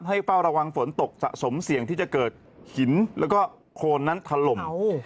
เฝ้าระวังฝนตกสะสมเสี่ยงที่จะเกิดหินแล้วก็โครนนั้นถล่ม